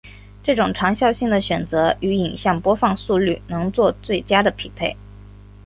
这种长效性的选择与影像播放速率能做最佳的匹配。